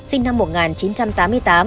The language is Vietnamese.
sinh năm một nghìn chín trăm tám mươi tám